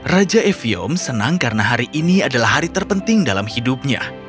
raja evium senang karena hari ini adalah hari terpenting dalam hidupnya